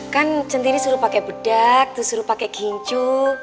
kan centini suruh pake bedak tuh suruh pake kincu